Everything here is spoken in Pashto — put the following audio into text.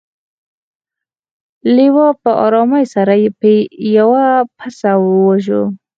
لیوه په ارامۍ سره یو پسه وواژه.